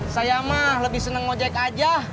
saya mah lebih seneng ngojek aja